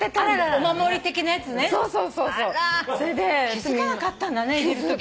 気付かなかったんだね入れるとき。